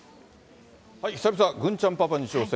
久々、郡ちゃんパパに挑戦。